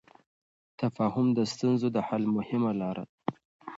تفاهم د ستونزو د حل مهمه لار ده.